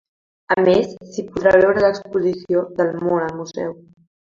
A més, s’hi podrà veure l’exposició Del món al museu.